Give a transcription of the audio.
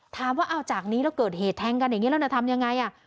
ถามว่าเอาจากนี้แล้วเกิดเหตุแทงกันอย่างนี้แล้วจะทำยังไง